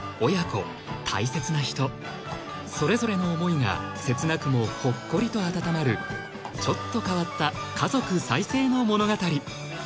親子大切な人それぞれの思いが切なくもほっこりと温まるちょっと変わった家族再生の物語